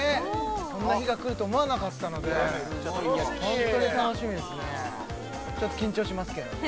こんな日が来ると思わなかったのでホントに楽しみですねちょっと緊張しますけどね